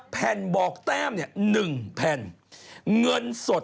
แผ่นบอกแต้ม๑แผ่นเงินสด๕๑๐บาท